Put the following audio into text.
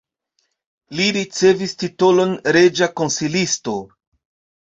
Li ricevis titolon reĝa konsilisto.